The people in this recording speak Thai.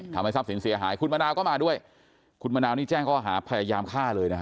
ทำให้ทรัพย์สินเสียหายคุณมะนาวก็มาด้วยคุณมะนาวนี่แจ้งข้อหาพยายามฆ่าเลยนะฮะ